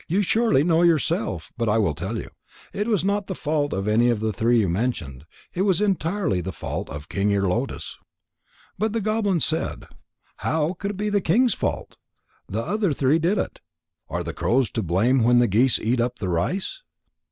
You surely know yourself, but I will tell you. It was not the fault of any of the three you mentioned. It was entirely the fault of King Ear lotus." But the goblin said: "How could it be the king's fault? The other three did it. Are the crows to blame when the geese eat up the rice?"